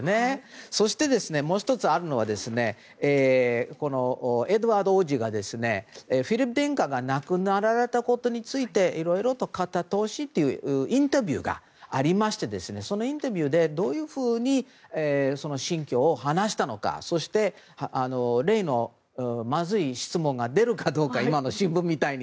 そして、もう１つあるのはエドワード王子がフィリップ殿下が亡くなられたことについていろいろと語ってほしいというインタビューがありましてそのインタビューでどういうふうに心境を話したのかそして例のまずい質問が出るかどうか今の新聞みたいに。